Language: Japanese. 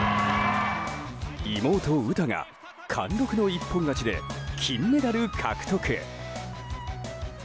妹・詩が貫録の一本勝ちで金メダル獲得！